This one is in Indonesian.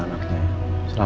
aku mau ke sekolah